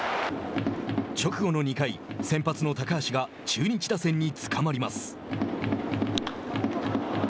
直後の２回、先発の高橋が中日打線につかまります。